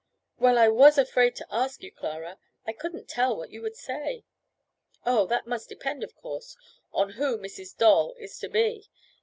"Well, I was afraid to ask you, Clara. I couldn't tell what you would say." "Oh, that must depend, of course, on who Mrs. Doll is to be!